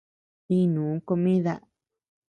Inuu comida.